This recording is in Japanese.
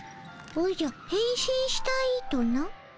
おじゃへん身したいとな？